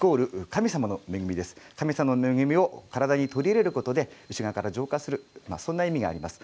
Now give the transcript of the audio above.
神様の恵みを体に取り入れることで浄化するそんな意味があります。